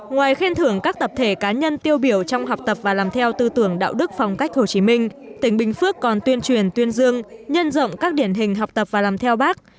ngoài khen thưởng các tập thể cá nhân tiêu biểu trong học tập và làm theo tư tưởng đạo đức phong cách hồ chí minh tỉnh bình phước còn tuyên truyền tuyên dương nhân rộng các điển hình học tập và làm theo bác